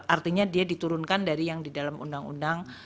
artinya dia diturunkan dari yang di dalam undang undang